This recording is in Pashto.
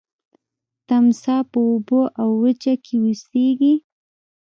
تمساح په اوبو او وچه کې اوسیږي